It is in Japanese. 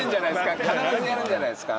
必ずやるんじゃないっすか。